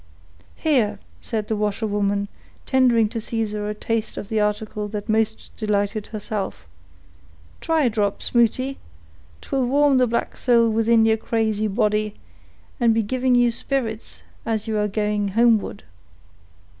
"Here," said the washerwoman, tendering to Caesar a taste of the article that most delighted herself, "try a drop, smooty, 'twill warm the black sowl within your crazy body, and be giving you spirits as you are going homeward."